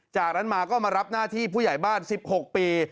จากนั้นมาก็มารับหน้าที่ผู้ใหญ่บ้าน๑๖ปี